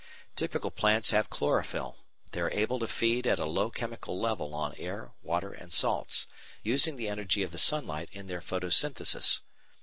Typical plants have chlorophyll; they are able to feed at a low chemical level on air, water, and salts, using the energy of the sunlight in their photosynthesis.